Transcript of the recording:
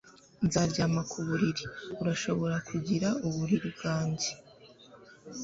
Nzaryama ku buriri Urashobora kugira uburiri bwanjye